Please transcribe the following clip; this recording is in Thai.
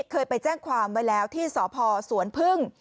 เคยไปแจ้งความไว้แล้วที่สพสวนพึ่ง